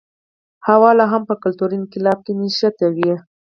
هوا لا هم په کلتوري انقلاب کې نښتی و.